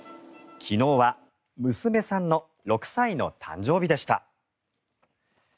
昨日は娘さんの６歳の誕生日でした。